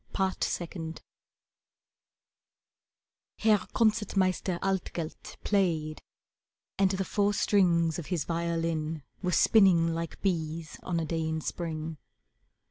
Part Second Herr Concert Meister Altgelt played, And the four strings of his violin Were spinning like bees on a day in Spring.